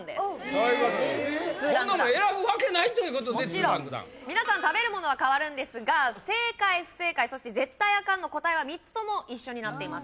こんなもん選ぶわけないということで２ランクダウン皆さん食べるものは変わるんですが正解不正解そして絶対アカンの答えは３つとも一緒になっています